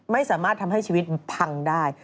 ไม่สามารถทำให้ชีวิตพังได้